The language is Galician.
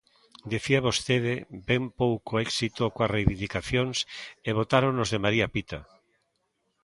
Dicía vostede, ben pouco éxito coas reivindicacións, e botáronos de María Pita.